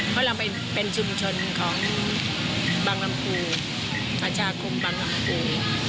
เพราะเราไปเป็นชุมชนของบางลำภูประชาคมบางลำพู